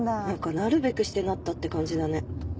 なるべくしてなったって感じだね。